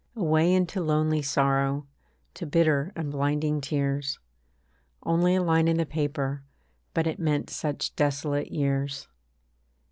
Away into lonely sorrow, To bitter and blinding tears; Only a line in the paper, But it meant such desolate years.